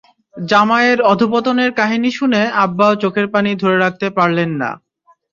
জামাইয়ের অধঃপতনের কাহিনি শুনে আব্বাও চোখের পানি ধরে রাখতে পারলেন না।